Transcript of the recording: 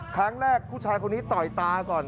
ครั้งแรกผู้ชายคนนี้ต่อยตาก่อน